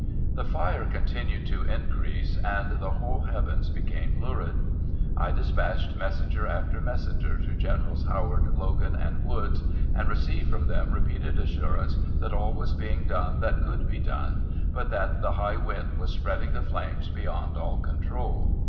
The fire continued to increase, and the whole heavens became lurid. I dispatched messenger after messenger to Generals Howard, Logan, and Woods, and received from them repeated assurances that all was being done that could be done, but that the high wind was spreading the flames beyond all control.